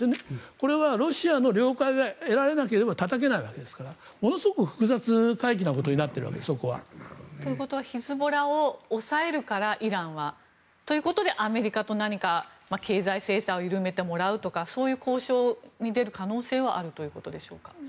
これはロシアの了解が得られなければたたけないわけですからものすごく複雑怪奇なことになっているわけです、そこは。ということはイランはヒズボラを抑えるからということでアメリカと何か経済制裁を緩めてもらうとかそういう交渉に出る可能性はあるということでしょうか。